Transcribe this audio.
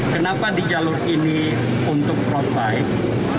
kenapa di jalur ini untuk road bike